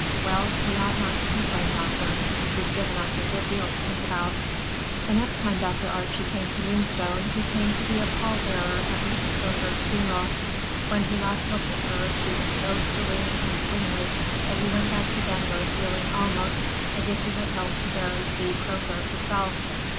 Well, we ought not to complain, doctor; she's given us a good deal to think about." The next time Dr. Archie came to Moonstone, he came to be a pall bearer at Mrs. Kronborg's funeral. When he last looked at her, she was so serene and queenly that he went back to Denver feeling almost as if he had helped to bury Thea Kronborg herself.